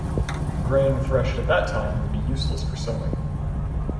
Grain threshed at that time would be useless for sowing.